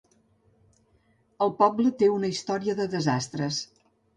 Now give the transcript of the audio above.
El poble té una història de desastres.